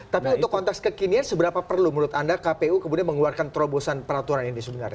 tapi untuk konteks kekinian seberapa perlu menurut anda kpu kemudian mengeluarkan terobosan peraturan ini sebenarnya